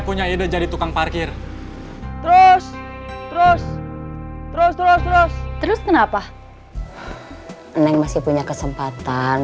punya ide jadi tukang parkir terus terus terus terus terus kenapa neng masih punya kesempatan